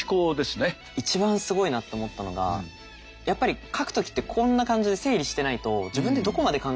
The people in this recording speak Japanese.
一番すごいなと思ったのがやっぱり書く時ってこんな感じで整理してないと自分でどこまで考えたっけ